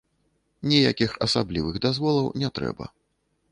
Ніякіх асаблівых дазволаў не трэба.